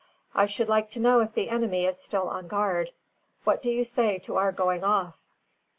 I should like to know if the enemy is still on guard. What do you say to our going off?"